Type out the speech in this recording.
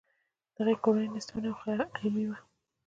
د هغه کورنۍ نیستمنه وه خو علمي وه